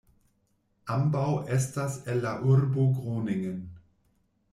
Ambaŭ estas el la urbo Groningen.